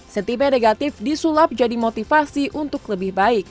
setiba negatif disulap jadi motivasi untuk lebih baik